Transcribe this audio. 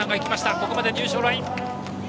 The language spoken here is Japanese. ここまでが入賞ライン。